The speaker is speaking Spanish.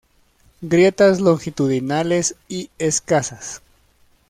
Grietas longitudinales y escasas.